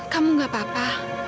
kamu gak apa apa